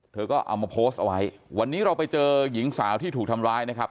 เธอก็เอามาโพสต์เอาไว้วันนี้เราไปเจอหญิงสาวที่ถูกทำร้ายนะครับ